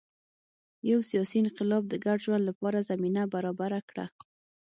یو سیاسي انقلاب د ګډ ژوند لپاره زمینه برابره کړه.